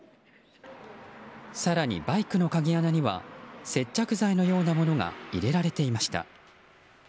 更に、バイクの鍵穴には接着剤のようなものが入れられていました。